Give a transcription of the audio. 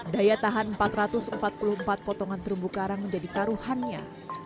daya tahan empat ratus empat puluh empat potongan terumbu karang menjadi taruhannya